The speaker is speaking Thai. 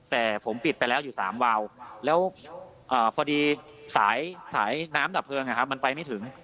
แต่ผมปิดไปแล้วอยู่๓วาวแล้วพอดีสายน้ำดับเพลิงมันไปไม่ถึง